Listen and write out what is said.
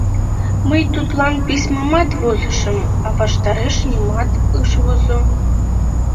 Мый тудлан письмамат возышым, а ваштареш нимат ыш возо.